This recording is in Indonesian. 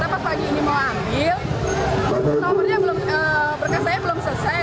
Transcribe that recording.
ternyata pagi ini mau ambil nomornya belum berkasanya belum selesai